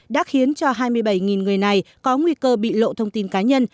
đã khiến cho hai mươi bảy người này có nguy cơ bị lộ thông tin cá nhân